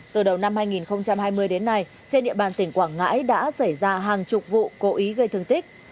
từ đầu năm hai nghìn hai mươi đến nay trên địa bàn tỉnh quảng ngãi đã xảy ra hàng chục vụ cố ý gây thương tích